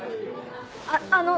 あっあの！